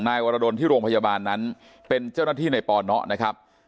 วรดลที่โรงพยาบาลนั้นเป็นเจ้าหน้าที่ในปนนะครับ